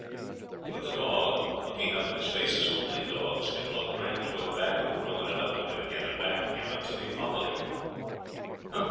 But the dog, looking up in his face as only dogs can look, ran toward the back of the ruin, and up to him again, and back again, until he followed her.